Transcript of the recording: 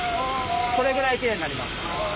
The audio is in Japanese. これぐらいきれいになります。